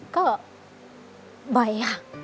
ก็บ่อยค่ะ